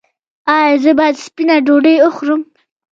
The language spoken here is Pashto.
ایا زه باید سپینه ډوډۍ وخورم؟